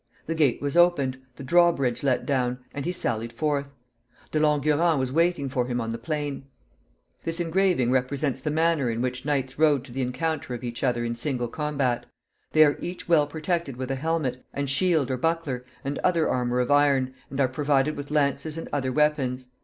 The gate was opened, the drawbridge let down, and he sallied forth. De Langurant was waiting for him on the plain. [Illustration: KNIGHTS CHARGING UPON EACH OTHER. This engraving represents the manner in which knights rode to the encounter of each other in single combat. They are each well protected with a helmet, a shield or buckler, and other armor of iron, and are provided with lances and other weapons.